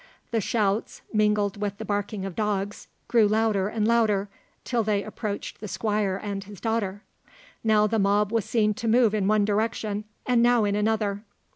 The shouts, mingled with the barking of dogs, grew louder and louder, till they approached the Squire and his daughter. Now the mob was seen to move in one direction, and now in another.